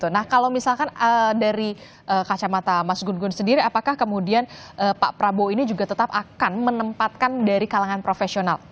nah kalau misalkan dari kacamata mas gun gun sendiri apakah kemudian pak prabowo ini juga tetap akan menempatkan dari kalangan profesional